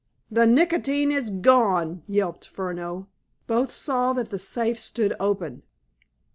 "The nicotine is gone!" yelped Furneaux; both saw that the safe stood open.